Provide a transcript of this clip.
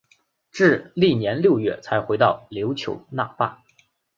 至翌年六月才回到琉球那霸。